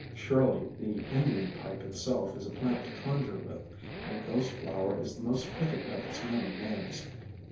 Surely the Indian Pipe itself is a plant to con jure with, and Ghost Flower is the most fitting of its many names.